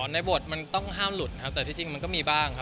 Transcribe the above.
ในบทมันต้องห้ามหลุดครับแต่ที่จริงมันก็มีบ้างครับ